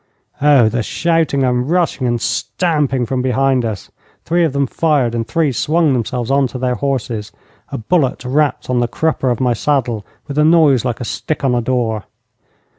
Oh, the shouting and rushing and stamping from behind us! Three of them fired and three swung themselves on to their horses. A bullet rapped on the crupper of my saddle with a noise like a stick on a door.